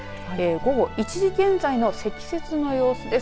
午後１時現在の積雪の様子です。